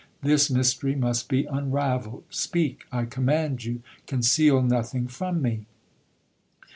This mystery must be unravelled. Speak, I command you ; conceal nothing from me.